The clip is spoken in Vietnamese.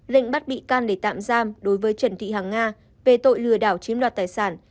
lệnh bắt bị can để tạm giam đối với trần thị hàng nga về tội lừa đảo chiếm đoạt tài sản